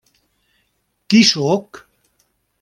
Qui sóc?